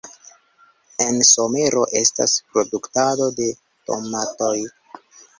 En somero estas produktado de tomatoj.